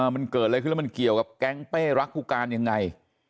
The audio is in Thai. มันเกิดอะไรขึ้นแล้วมันเกี่ยวกับแก๊งเป้รักผู้การยังไง